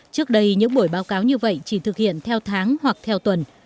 trước đây những buổi báo cáo như vậy chỉ thực hiện theo tháng hoặc theo tuần